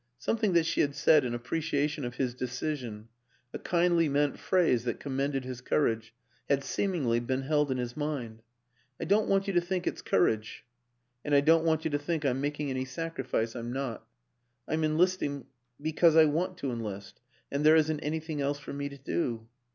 Something that she had said in ap preciation of his decision a kindly meant phrase that commended his courage had seemingly been held in his mind. " I don't want you to think it's courage, and I don't want you to think I'm making any sacri fice I'm not. I'm enlisting because I want to enlist and there isn't anything else for me to do.